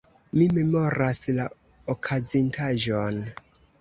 Mi memoras la okazintaĵon.